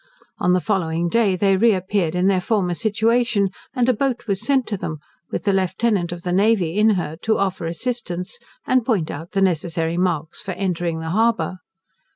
On the following day they re appeared in their former situation, and a boat was sent to them, with a lieutenant of the navy in her, to offer assistance, and point out the necessary marks for entering the harbour.